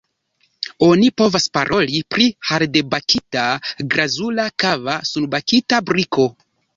Oni povas paroli pri hardebakita, glazura, kava, sunbakita briko.